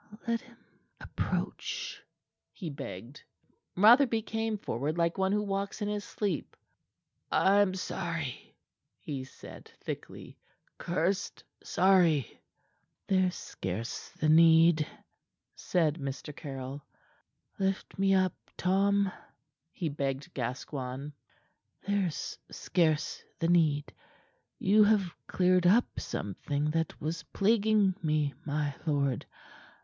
"Let him approach," he begged. Rotherby came forward like one who walks in his sleep. "I am sorry," he said thickly, "cursed sorry." "There's scarce the need," said Mr. Caryll. "Lift me up, Tom," he begged Gascoigne. "There's scarce the need. You have cleared up something that was plaguing me, my lord.